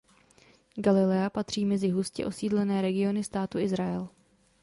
Galilea patří mezi hustě osídlené regiony státu Izrael.